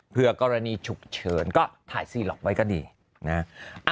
เพื่อกรณีฉุกเฉินก็ถ่ายซีล็อกไว้ก็ดีนะ